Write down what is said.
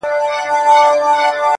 ما په سترګو خر لیدلی پر منبر دی-